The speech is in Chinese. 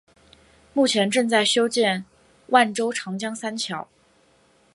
目前正在修建万州长江三桥。